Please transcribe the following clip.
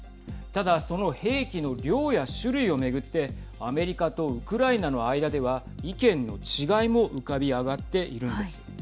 ただその兵器の量や種類を巡ってアメリカとウクライナの間では意見の違いも浮かび上がっているんです。